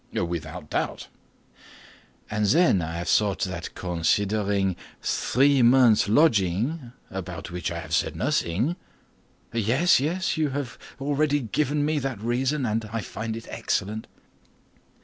"Without doubt." "And then I have thought that considering three months' lodging, about which I have said nothing—" "Yes, yes; you have already given me that reason, and I find it excellent."